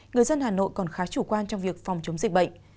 người dân hà nội còn khá chủ quan trong việc phòng chống dịch bệnh